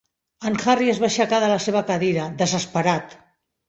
En Harry es va aixecar de la seva cadira, desesperat.